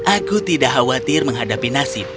aku tidak khawatir menghadapi nasib